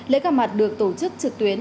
lễ gặp mặt được tổ chức trực tuyến